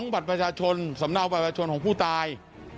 บัตรประชาชนสำเนาบัตรประชาชนของผู้ตาย